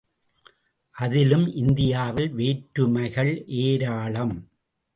அதிலும் இந்தியாவில் வேற்றுமைகள் ஏராளம்!